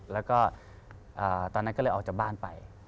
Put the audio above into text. แล้วก็ตอนนั้นก็เลยออกจากบ้านไป